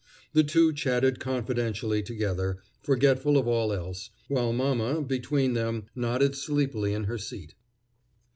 The two chatted confidentially together, forgetful of all else, while mama, between them, nodded sleepily in her seat.